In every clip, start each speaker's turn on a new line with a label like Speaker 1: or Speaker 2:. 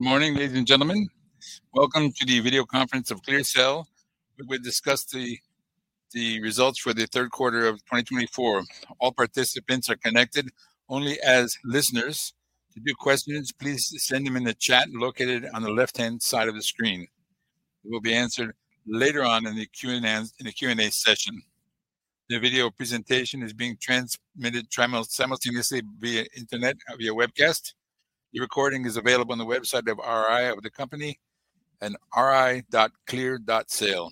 Speaker 1: Good morning, ladies and gentlemen. Welcome to the video conference of ClearSale. We'll discuss the results for the third quarter of 2024. All participants are connected only as listeners. If you have questions, please send them in the chat located on the left-hand side of the screen. They will be answered later on in the Q and A session. The video presentation is being transmitted simultaneously via the internet via webcast. The recording is available on the website of RI, of the company, and ri.clearsale.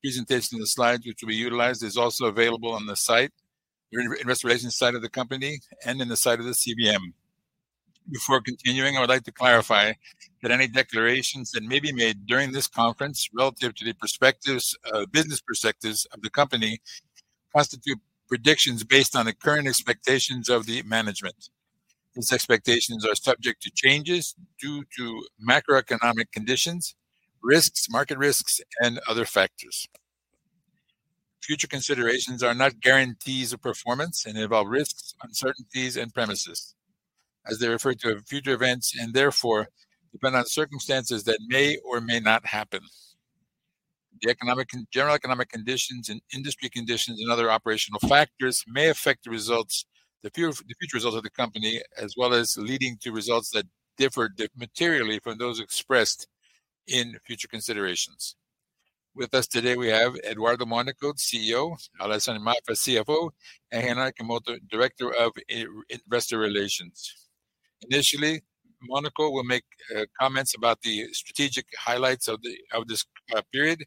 Speaker 1: Presentation slides, which will be utilized, are also available on the investor relations site of the company and on the site of the CVM. Before continuing, I would like to clarify that any declarations that may be made during this conference relative to the business perspectives of the company constitute predictions based on the current expectations of the management. These expectations are subject to changes due to macroeconomic conditions, risks, market risks, and other factors. Future considerations are not guarantees of performance and involve risks, uncertainties, and premises, as they refer to future events and therefore depend on circumstances that may or may not happen. The general economic conditions and industry conditions and other operational factors may affect the future results of the company, as well as leading to results that differ materially from those expressed in future considerations. With us today, we have Eduardo Mônaco, CEO; Alexandre Mafra, CFO; and Renan Ikemoto, Director of Investor Relations. Initially, Mônaco will make comments about the strategic highlights of this period.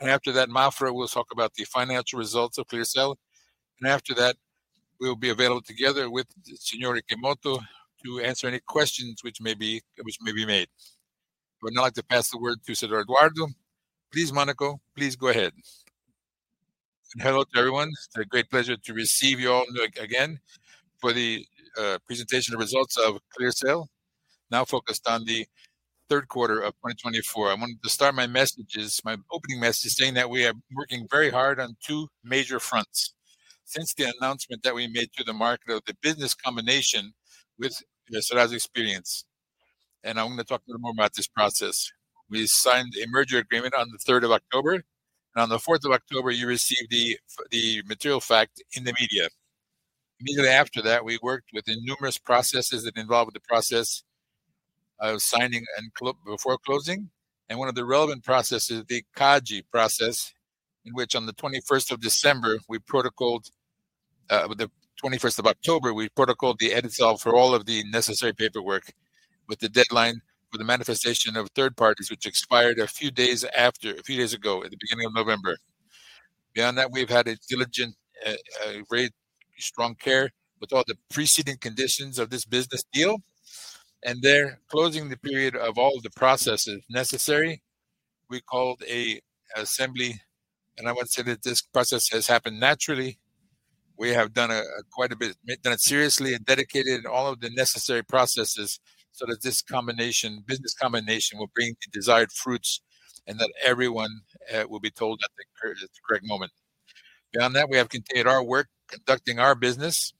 Speaker 1: After that, Mafra will talk about the financial results of ClearSale. After that, we will be available together with Signore Kimoto to answer any questions which may be made. I would now like to pass the word to Sir Eduardo. Please, Mônaco, please go ahead.
Speaker 2: Hello to everyone. It's a great pleasure to receive you all again for the presentation of results of ClearSale, now focused on the third quarter of 2024. I wanted to start my opening message saying that we are working very hard on two major fronts since the announcement that we made to the market of the business combination with Serasa Experian. And I'm going to talk a little more about this process. We signed a merger agreement on the 3rd of October. On the 4th of October, you received the Material Fact in the media. Immediately after that, we worked with the numerous processes that involved the process of signing and before closing. One of the relevant processes, the CADE process, in which on the 21st of December, we protocolled the 21st of October, we protocolled the edits for all of the necessary paperwork with the deadline for the manifestation of third parties, which expired a few days ago, at the beginning of November. Beyond that, we've had a diligent, very strong care with all the preceding conditions of this business deal. There, closing the period of all the processes necessary, we called an assembly. I would say that this process has happened naturally. We have done quite a bit, done it seriously and dedicated all of the necessary processes so that this business combination will bring the desired fruits and that everyone will be told at the correct moment. Beyond that, we have continued our work, conducting our business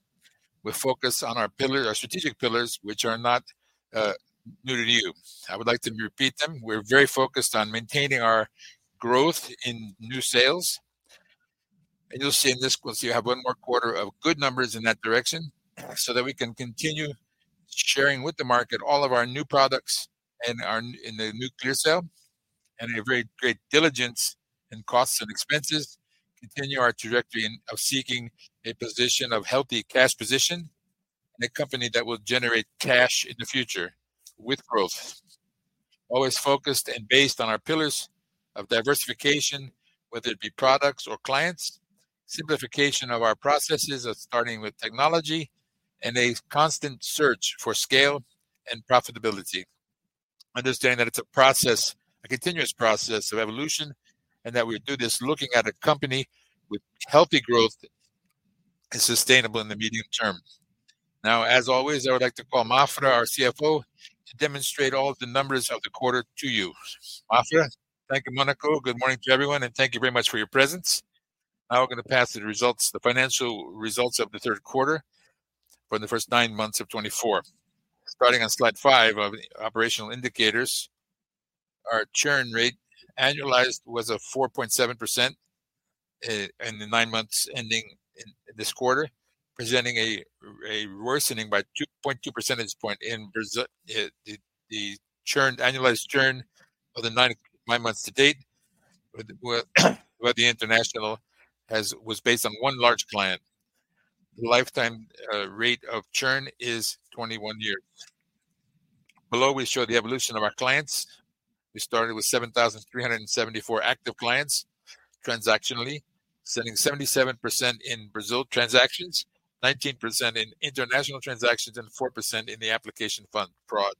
Speaker 2: with focus on our strategic pillars, which are not new to you. I would like to repeat them. We're very focused on maintaining our growth in new sales, and you'll see in this one, you have one more quarter of good numbers in that direction so that we can continue sharing with the market all of our new products in the new ClearSale and a very great diligence in costs and expenses, continue our trajectory of seeking a position of healthy cash position in a company that will generate cash in the future with growth. Always focused and based on our pillars of diversification, whether it be products or clients, simplification of our processes of starting with technology, and a constant search for scale and profitability. Understanding that it's a continuous process of evolution and that we do this looking at a company with healthy growth and sustainable in the medium term. Now, as always, I would like to call Mafra, our CFO, to demonstrate all of the numbers of the quarter to you. Mafra?
Speaker 3: Thank you, Mônaco. Good morning to everyone, and thank you very much for your presence. Now we're going to pass the results, the financial results of the third quarter for the first nine months of 2024. Starting on slide five of operational indicators, our churn rate annualized was of 4.7% in the nine months ending this quarter, presenting a worsening by 2.2 percentage points. The annualized churn of the nine months to date by the international was based on one large client. The lifetime rate of churn is 21 years. Below, we show the evolution of our clients. We started with 7,374 active clients transactionally, sending 77% in Brazil transactions, 19% in international transactions, and 4% in the Application Fraud.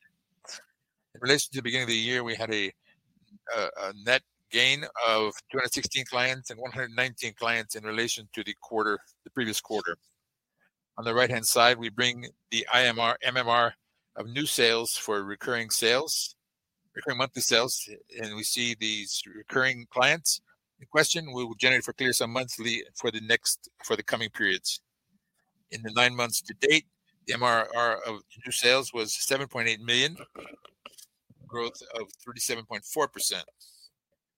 Speaker 3: In relation to the beginning of the year, we had a net gain of 216 clients and 119 clients in relation to the previous quarter. On the right-hand side, we bring the MRR of new sales for recurring monthly sales, and we see these recurring clients in question will generate for ClearSale monthly for the coming periods. In the nine months to date, the MRR of new sales was 7.8 million, growth of 37.4%,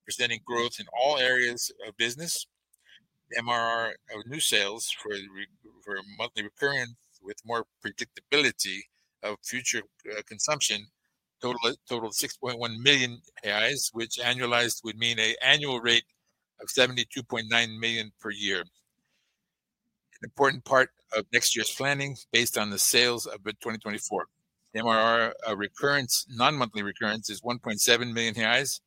Speaker 3: presenting growth in all areas of business. The MRR of new sales for monthly recurrence with more predictability of future consumption totaled 6.1 million reais, which annualized would mean an annual rate of 72.9 million per year. An important part of next year's planning is based on the sales of 2024. The MRR of recurrence, non-monthly recurrence, is 1.7 million reais,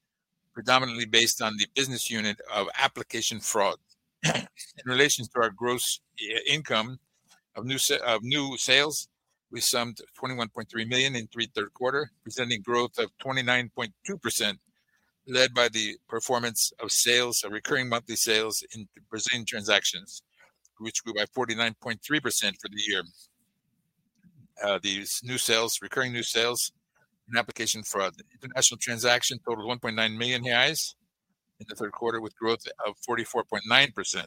Speaker 3: predominantly based on the business unit of Application Fraud. In relation to our gross income of new sales, we summed 21.3 million in the third quarter, presenting growth of 29.2%, led by the performance of Recurring Monthly Sales in Brazilian transactions, which grew by 49.3% for the year. These new sales, recurring new sales, and Application Fraud international transaction totaled 1.9 million reais in the third quarter, with growth of 44.9%.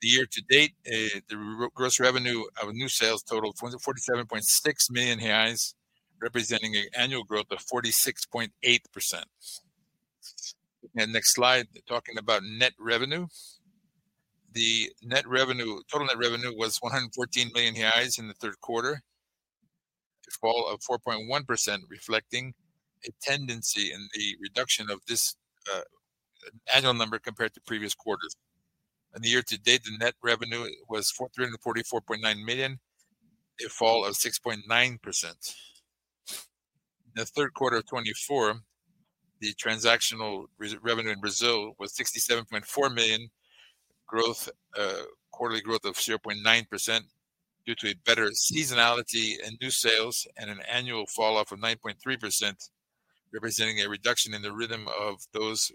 Speaker 3: The year to date, the gross revenue of new sales totaled 47.6 million reais, representing an annual growth of 46.8%. Next slide, talking about net revenue. The total net revenue was 114 million reais in the third quarter, a fall of 4.1%, reflecting a tendency in the reduction of this annual number compared to previous quarters. In the year to date, the net revenue was 344.9 million, a fall of 6.9%. In the third quarter of 2024, the transactional revenue in Brazil was 67.4 million, quarterly growth of 0.9% due to better seasonality and new sales, and an annual falloff of 9.3%, representing a reduction in the rhythm of those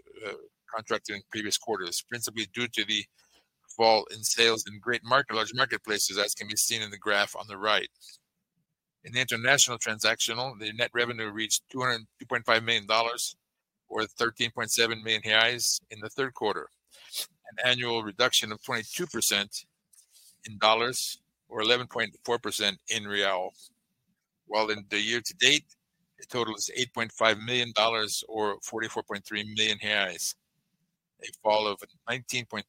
Speaker 3: contracting in previous quarters, principally due to the fall in sales in large marketplaces, as can be seen in the graph on the right. In international transactional, the net revenue reached $2.5 million, or 13.7 million reais, in the third quarter, an annual reduction of 22% in dollars, or 11.4% in reais, while in the year to date, it totals $8.5 million, or 44.3 million reais, a fall of 19.3%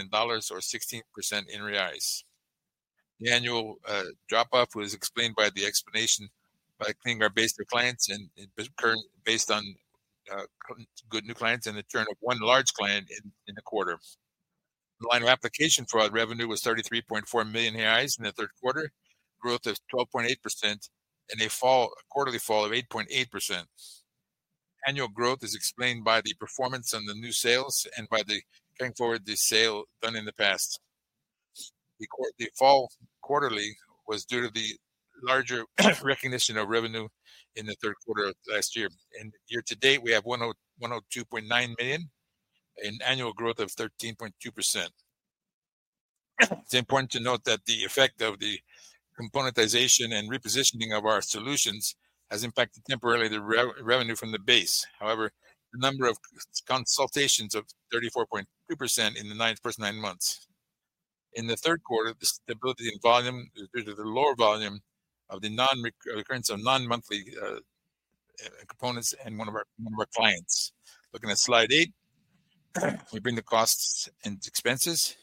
Speaker 3: in dollars, or 16% in reais. The annual drop-off was explained by the explanation by cleaning our base of clients based on good new clients and the churn of one large client in the quarter. The line of Application Fraud revenue was 33.4 million reais in the third quarter, growth of 12.8%, and a quarterly fall of 8.8%. Annual growth is explained by the performance on the new sales and by the carrying forward the sale done in the past. The fall quarterly was due to the larger recognition of revenue in the third quarter of last year. In year to date, we have 102.9 million in annual growth of 13.2%. It's important to note that the effect of the componentization and repositioning of our solutions has impacted temporarily the revenue from the base. However, the number of consultations is 34.2% in the first nine months. In the third quarter, the stability in volume due to the lower volume of the non-recurrence of non-monthly components and one of our clients. Looking at slide eight, we bring the costs and expenses.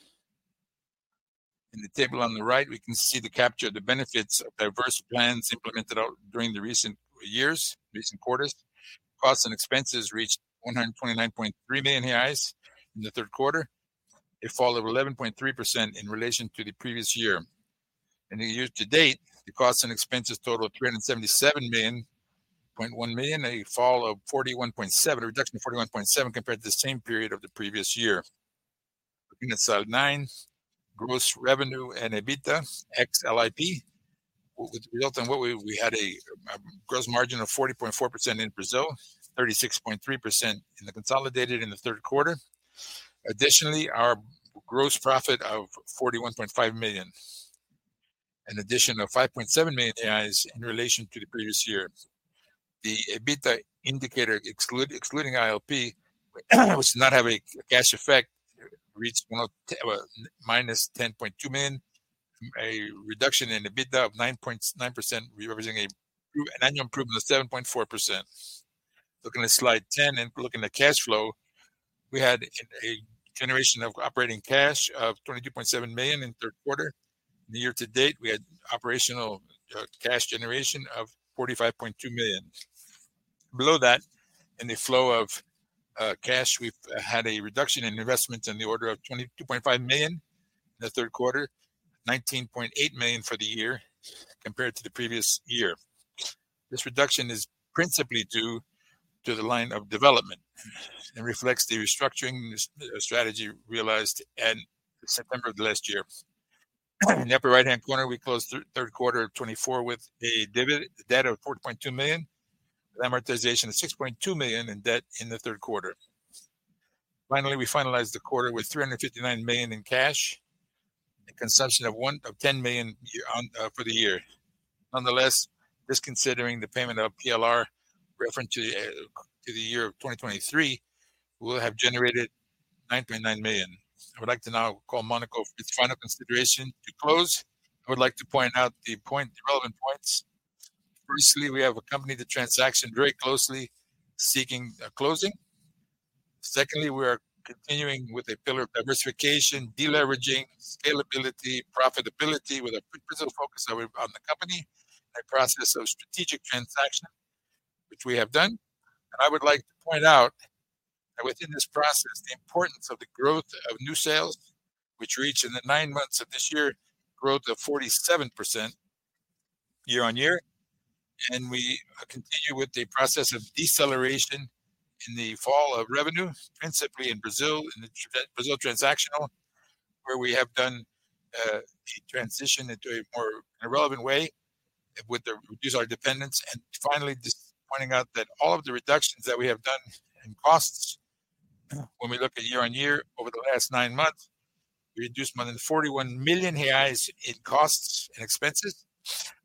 Speaker 3: In the table on the right, we can see the capture of the benefits of diverse plans implemented during the recent years, recent quarters. Costs and expenses reached 129.3 million reais in the third quarter, a fall of 11.3% in relation to the previous year. In the year to date, the costs and expenses total 377.1 million BRL, a fall of 41.7%, a reduction of 41.7% compared to the same period of the previous year. Looking at slide nine, gross revenue and EBITDA, ILP, with the resultant we had a gross margin of 40.4% in Brazil, 36.3% in the consolidated in the third quarter. Additionally, our gross profit of 41.5 million, an addition of 5.7 million reais in relation to the previous year. The EBITDA indicator, excluding ILP, which does not have a cash effect, reached minus 10.2 million, a reduction in EBITDA of 9.9%, representing an annual improvement of 7.4%. Looking at slide 10 and looking at cash flow, we had a generation of operating cash of 22.7 million in the third quarter. In the year to date, we had operational cash generation of 45.2 million. Below that, in the flow of cash, we've had a reduction in investments in the order of 22.5 million in the third quarter, 19.8 million for the year compared to the previous year. This reduction is principally due to the line of development and reflects the restructuring strategy realized in September of the last year. In the upper right-hand corner, we closed the third quarter of 2024 with a debt of 4.2 million, amortization of 6.2 million in debt in the third quarter. Finally, we finalized the quarter with 359 million in cash and consumption of 10 million for the year. Nonetheless, this considering the payment of PLR referring to the year of 2023, we will have generated 9.9 million. I would like to now call Mônaco for its final consideration to close. I would like to point out the relevant points. Firstly, we have accompanied the transaction very closely, seeking closing. Secondly, we are continuing with a pillar of diversification, deleveraging, scalability, profitability with a focus on the company and a process of strategic transaction, which we have done. I would like to point out that within this process, the importance of the growth of new sales, which reached in the nine months of this year growth of 47% year on year. We continue with the process of deceleration in the fall of revenue, principally in Brazil, in the Brazilian transactional, where we have done a transition into a more relevant way with the reduced our dependence. Finally, just pointing out that all of the reductions that we have done in costs, when we look at year on year over the last nine months, we reduced more than 41 million reais in costs and expenses.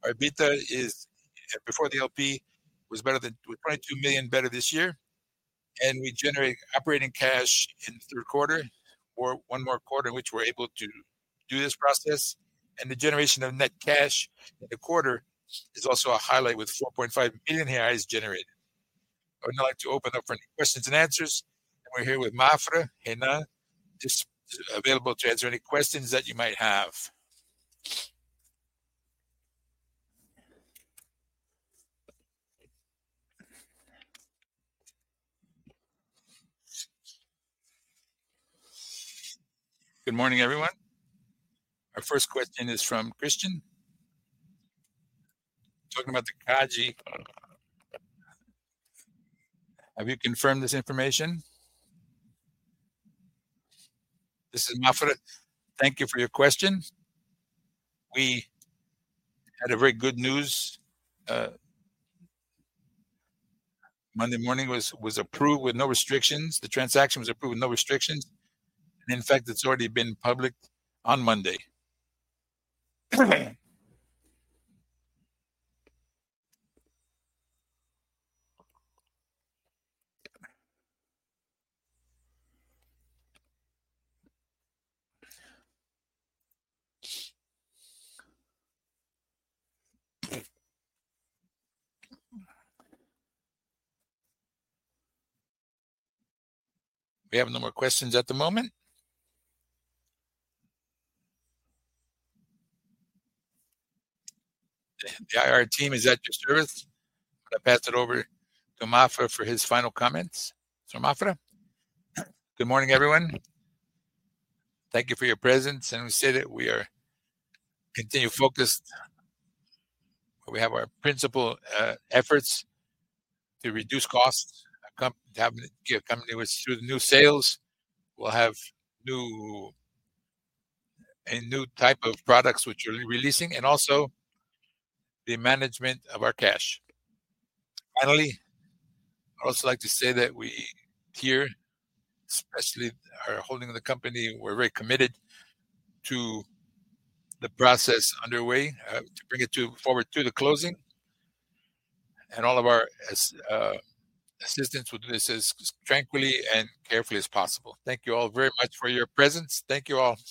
Speaker 3: Our EBITDA before the LP was better than 22 million better this year. We generate operating cash in the third quarter, or one more quarter in which we're able to do this process. The generation of net cash in the quarter is also a highlight with 4.5 million reais generated.
Speaker 1: I would now like to open up for any questions and answers. We're here with Mafra, Renan, just available to answer any questions that you might have. Good morning, everyone. Our first question is from Christian, talking about the CADE. Have you confirmed this information?
Speaker 3: This is Mafra. Thank you for your question. We had very good news. Monday morning was approved with no restrictions. The transaction was approved with no restrictions. And in fact, it's already been published on Monday.
Speaker 1: We have no more questions at the moment. The IR team, is that your service? I'm going to pass it over to Mafra for his final comments. Sir Mafra,
Speaker 3: good morning, everyone. Thank you for your presence. We say that we are continuing focused. We have our principal efforts to reduce costs, to have a company which through the new sales, we'll have a new type of products which we're releasing, and also the management of our cash. Finally, I'd also like to say that we here, especially holding the company, we're very committed to the process underway to bring it forward to the closing. And all of our assistants will do this as tranquilly and carefully as possible. Thank you all very much for your presence. Thank you all.